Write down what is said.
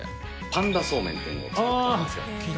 パンダそうめんというのも作っておりますよ。